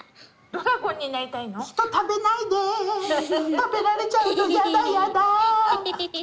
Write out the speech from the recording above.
食べられちゃうのやだやだ。